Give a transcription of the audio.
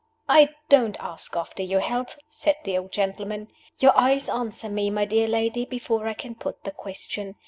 "I don't ask after your health," said the old gentleman; "your eyes answer me, my dear lady, before I can put the question.